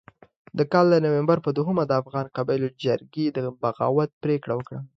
د کال د نومبر په دوهمه د افغان قبایلو جرګې د بغاوت پرېکړه وکړه.